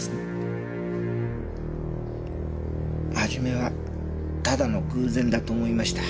初めはただの偶然だと思いました。